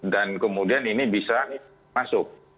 dan kemudian ini bisa masuk